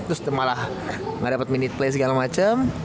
terus malah gak dapat minute play segala macem